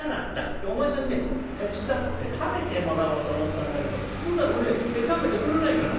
でお前さんにね手伝って食べてもらおうと思ったんだけどどうだろうね食べてくれないかな？」。